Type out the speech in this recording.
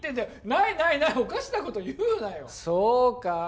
ないないないおかしなこと言うなよそうか？